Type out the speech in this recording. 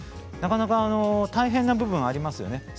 なかなか大変な部分はありますね。